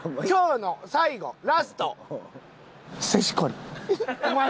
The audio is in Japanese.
今日の最後ラスト背